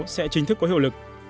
sẽ chính thức có hiệu lực